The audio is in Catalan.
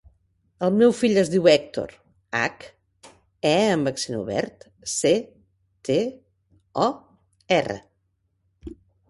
El meu fill es diu Hèctor: hac, e amb accent obert, ce, te, o, erra.